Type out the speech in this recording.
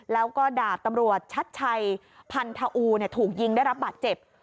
แล้วก็ดาบตำรวจชัดชัยพันธอูถูกยิงได้รับบาดเจ็บ